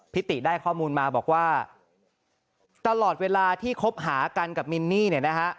ติได้ข้อมูลมาบอกว่าตลอดเวลาที่คบหากันกับมินนี่เนี่ยนะฮะ